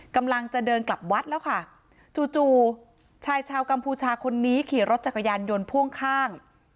กำลังจะเดินกลับวัดแล้วค่ะจู่จู่ชายชาวกัมพูชาคนนี้ขี่รถจักรยานยนต์พ่วงข้าง